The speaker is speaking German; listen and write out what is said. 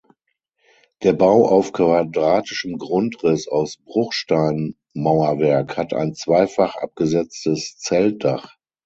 Der Bau auf quadratischem Grundriss aus Bruchsteinmauerwerk hat ein zweifach abgesetztes Zeltdach.